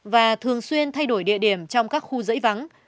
và thường xuyên thay đổi địa điểm trong các khu dãy vắng